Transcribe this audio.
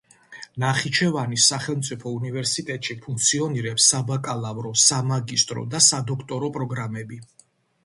ნახიჩევანის სახელმწიფო უნივერსიტეტში ფუნქციონირებს საბაკალავრო, სამაგისტრო და სადოქტორო პროგრამები.